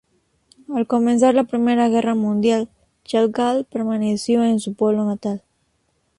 Al comenzar la Primera Guerra Mundial, Chagall permaneció en su pueblo natal.